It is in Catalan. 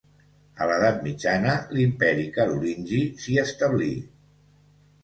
A l'Edat Mitjana, l'Imperi carolingi s'hi establí